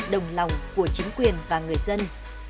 đồng lòng của chính quyền và người dân